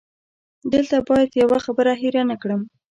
دلته باید یوه خبره هېره نه کړم.